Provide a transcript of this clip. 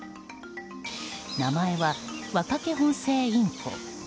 名前はワカケホンセイインコ。